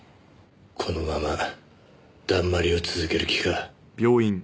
このままだんまりを続ける気か？